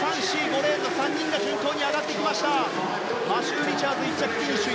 マシュー・リチャーズ１着フィニッシュ。